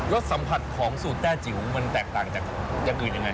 สัมผัสของสูตรแต้จิ๋วมันแตกต่างจากอย่างอื่นยังไง